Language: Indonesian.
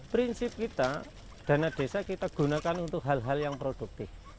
prinsip kita dana desa kita gunakan untuk hal hal yang produktif